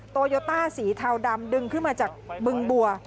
โตโยต้าสีเทาดำดึงขึ้นมาจากบึงบัว